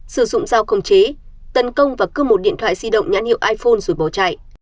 sử dụng dao không chế tấn công và cướp một điện thoại di động nhãn hiệu iphone rồi bỏ chạy